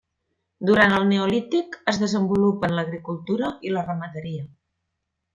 Durant el Neolític es desenvolupen l'agricultura i la ramaderia.